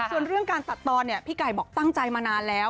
ส่วนเรื่องการตัดตอนเนี่ยพี่ไก่บอกตั้งใจมานานแล้ว